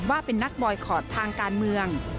ว่าเป็นนักบอยคอร์ดทางการเมือง